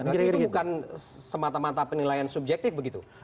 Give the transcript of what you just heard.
berarti itu bukan semata mata penilaian subjektif begitu